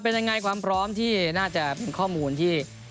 เป็นยังไงความพร้อมที่น่าจะเป็นข้อมูลที่